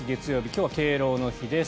今日は敬老の日です。